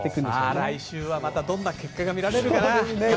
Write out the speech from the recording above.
来週はまたどんな結果が見られるかな。